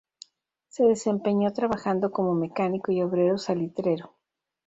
Se desempeñó trabajando como mecánico y obrero salitrero.